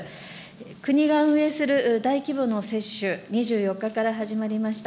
国が運営する大規模の接種、２４日から始まりました。